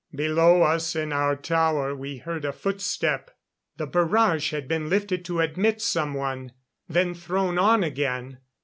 Below us, in our tower, we heard a footstep. The barrage had been lifted to admit someone, then thrown on again.